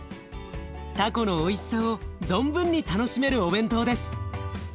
たこのおいしさを存分に楽しめるお弁当です。